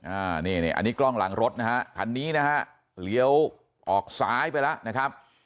อันนี้อันนี้กล้องหลังรถนะฮะคันนี้นะฮะเลี้ยวออกซ้ายไปแล้วนะครับ